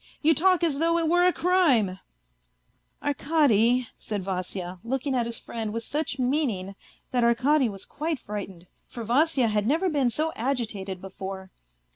You talk as though it were a crime !"" Arkady," said Vasya, looking at his friend with such meaning that Arkady was quite frightened, for Vasya had never been so agitated before.